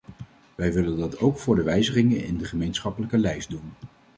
Wij willen dat ook voor de wijzigingen in de gemeenschappelijke lijst doen.